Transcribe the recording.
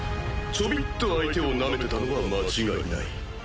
ちょびっと相手をナメてたのは間違いない。